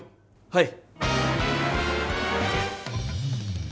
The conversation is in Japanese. はい。